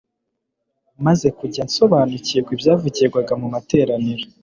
Maze kujya nsobanukirwa ibyavugirwaga mu materaniro